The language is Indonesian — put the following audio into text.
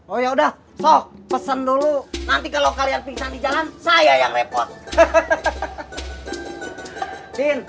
oh ya udah sok pesen dulu nanti kalau kalian pingsan di jalan saya yang repot hahaha tin